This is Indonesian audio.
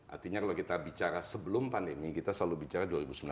artinya kalau kita bicara sebelum pandemi kita selalu bicara dua ribu sembilan belas